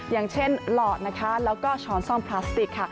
อย่างเช่นหล่อแล้วก็ช้อนซ่อมพลาสติก